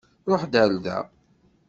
Ṛuḥ-d ar da.